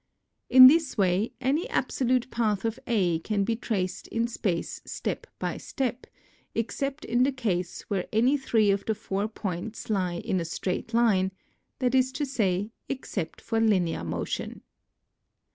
In this way any absolute path of A can be traced in space step by step, except in the case when any three of the four points lie in a straight line, that is to say, except for linear motion.